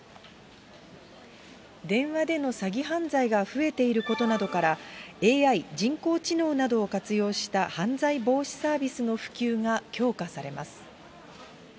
電話での詐欺犯罪が増えていることなどから、ＡＩ・人工知能などを活用した犯罪防止サービスの普及が強化されます。